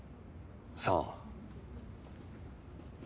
さあ。